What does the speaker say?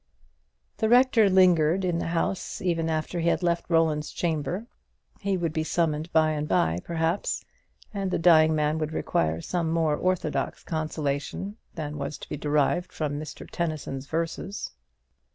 '" The rector lingered in the house even after he had left Roland's chamber. He would be summoned by and by, perhaps, and the dying man would require some more orthodox consolation than was to be derived from Mr. Tennyson's verses.